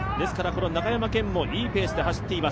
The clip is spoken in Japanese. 中山顕もいいペースで走っています。